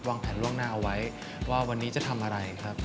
วางแผนล่วงหน้าเอาไว้ว่าวันนี้จะทำอะไรครับ